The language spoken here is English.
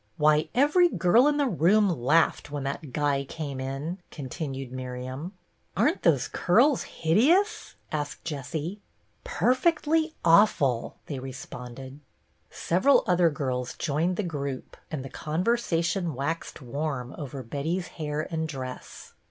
" Why, every girl in the room laughed, when that guy came in," continued Miriam. " Are n't those curls hideous ?" asked Jessie. " Perfectly awful," they responded. Several other girls joined the group, and the conver sation waxed warm over Betty's hair and dress.